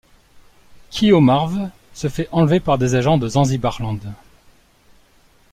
Kio Marv, se fait enlever par des agents de Zanzibar Land.